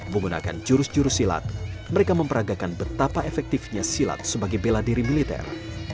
menggunakan jurus jurus silat mereka memperagakan betapa efektifnya silat sebagai bela diri militer